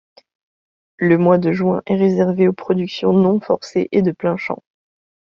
Le mois de juin est réservé aux productions non forcées et de plein-champ.